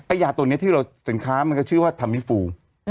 ยาตัวนี้ที่เราสินค้ามันก็ชื่อว่าทามิฟู